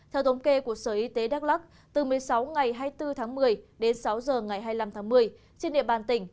theo thống kê của sở y tế đắk lắc từ một mươi sáu ngày hai mươi bốn tháng một mươi đến sáu h ngày hai mươi năm tháng một mươi trên địa bàn tỉnh